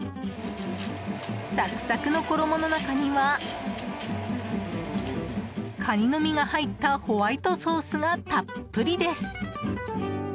サクサクの衣の中にはカニの身が入ったホワイトソースがたっぷりです。